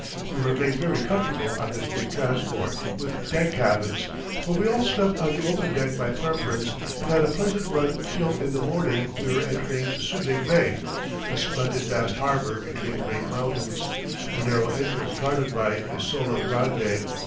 We were made very comfortable on this big transport, with deck cabins, but we all slept on the open deck by preference and had a pleasant run till in the morning we were entering Subig Bay, a splendid vast harbour between great mountains, the narrow entrance guarded by Isola Grande.